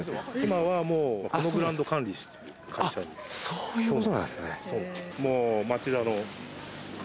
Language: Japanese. そういうことなんすね。